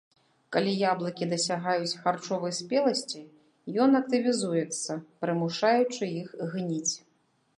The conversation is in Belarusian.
Калі яблыкі дасягаюць харчовай спеласці, ён актывізуецца, прымушаючы іх гніць.